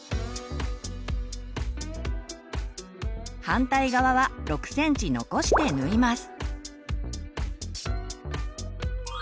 反対側は６ｃｍ残して縫います。